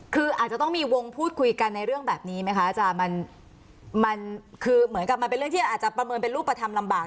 คืออาจจะต้องมีวงพูดคุยกันในเรื่องแบบนี้ไหมคะอาจารย์มันคือเหมือนกับมันเป็นเรื่องที่อาจจะประเมินเป็นรูปธรรมลำบาก